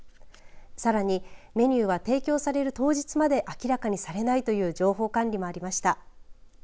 さらにメニューは提供される当日まで明らかにされないという情報管理もありました。